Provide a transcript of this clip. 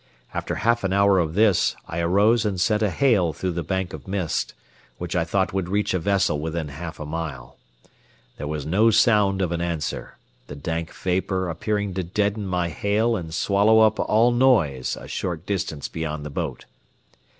After half an hour of this I arose and sent a hail through the bank of mist, which I thought would reach a vessel within half a mile. There was no sound of an answer, the dank vapor appearing to deaden my hail and swallow up all noise a short distance beyond the boat.